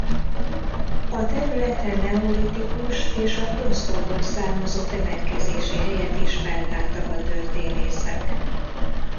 A területen neolitikus és a bronzkorból származó temetkezési helyet is feltártak a történészek.